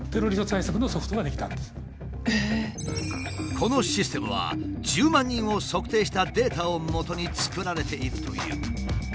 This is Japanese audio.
このシステムは１０万人を測定したデータをもとに作られているという。